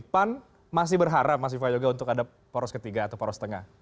pan masih berharap mas viva yoga untuk ada poros ketiga atau poros tengah